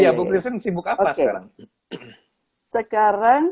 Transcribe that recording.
ya bu christine sibuk apa sekarang